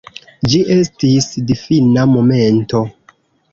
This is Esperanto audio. Ĝi estis difina momento.